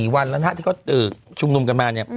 ๔วันแล้วที่เขาชุมนุมกันมา